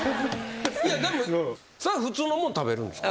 それは普通のもん食べるんですか？